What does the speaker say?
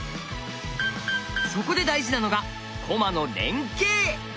そこで大事なのが駒の連係。